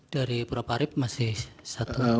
dari proparip masih satu